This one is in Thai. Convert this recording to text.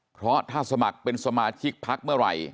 เพราะถ้าสมัครเป็นสมาชิกพักเมื่อไหร่